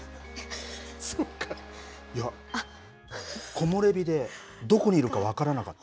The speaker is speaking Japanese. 木漏れ日でどこにいるか分からなかった。